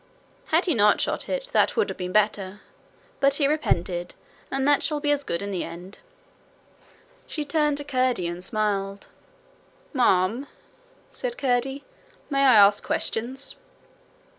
Had he not shot it, that would have been better; but he repented, and that shall be as good in the end.' She turned to Curdie and smiled. 'Ma'am,' said Curdie, 'may I ask questions?'